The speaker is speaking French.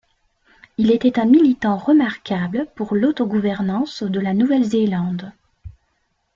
Il était un militant remarquable pour l'auto-gouvernance de la Nouvelle-Zélande.